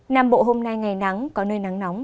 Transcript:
nam bộ hôm nay ngày nắng có nơi nắng nóng